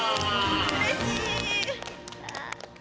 うれしい！